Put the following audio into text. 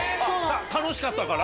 楽しかったから？